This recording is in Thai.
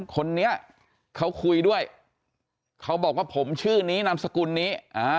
คนนี้เขาคุยด้วยเขาบอกว่าผมชื่อนี้นามสกุลนี้